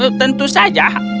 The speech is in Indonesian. ya tentu saja